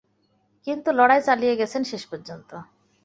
কিন্তু লড়াই চালিয়ে গেছেন শেষ পর্যন্ত।